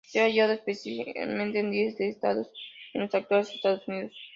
Se han hallado especímenes en diez de estados de los actuales Estados Unidos.